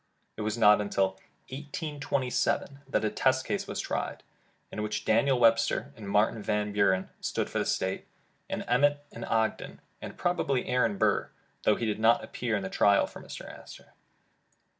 It was not until 1827 that a test case was tried, in which Daniel Webster and Martin Van Bur en stood for the State, and Emmet, Ogden, and probably Aaron Burr, though he did not appear in the trial, for Mr. Astor.